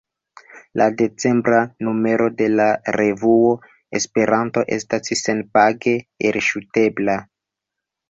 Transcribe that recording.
La decembra numero de la revuo Esperanto estas senpage elŝutebla.